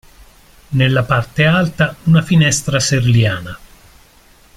Nella parte alta una finestra serliana.